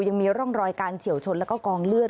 ยังมีร่องรอยการเฉียวชนแล้วก็กองเลือด